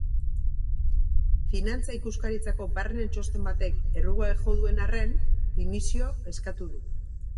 Finantza-ikuskaritzako barne txosten batek errugabe jo duen arren, dimisio eskatu du.